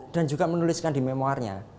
dan juga menuliskan di memoirnya